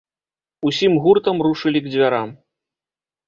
Усім гуртам рушылі к дзвярам.